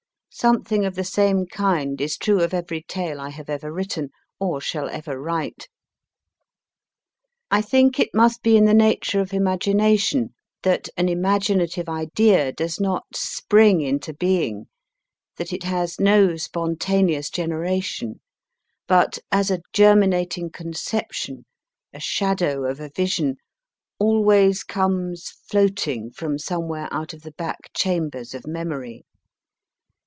Something of the same kind is true of every talc I have ever written or shall ever DERWENTWATER write. I think it must be in the nature of imagina tion that an imaginative idea does not spring into being, that it has no spontaneous generation, but, as a germi nating conception, a shadow of a vision, always comes floating from somewhere out of the back chambers of memory.